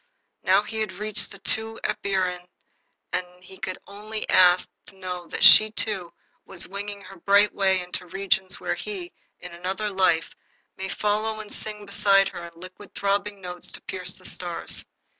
Now he had reached the true empyrean, and he could only ask to know that she, too, was winging her bright way into regions where he, in another life, might follow and sing beside her in liquid, throbbing notes to pierce the stars.